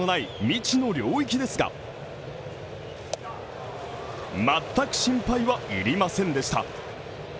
未知の領域ですが全く心配は要りませんでした。